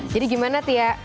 jadi gimana tia